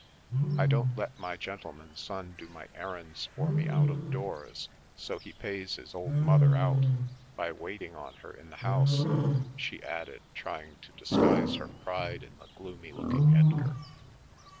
" I don't let my gentleman son do my errands for me out of doors, so he pays his old mother out by waiting on her in the house," she added, trying to disguise her pride in the gloomy looking Edgar.